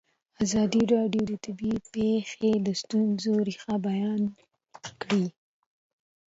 ازادي راډیو د طبیعي پېښې د ستونزو رېښه بیان کړې.